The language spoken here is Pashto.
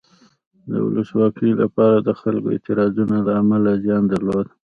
د ولسواکۍ لپاره د خلکو اعتراضونو له امله زیان درلود.